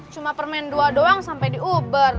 cuma permen dua doang sampai diuber